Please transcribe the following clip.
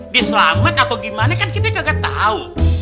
dia selamat atau gimana kan kita kagak tau